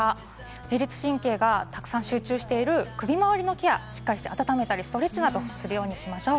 自律神経が沢山集中している首回りのケアをしっかり温めたりストレッチなどするようにしましょう。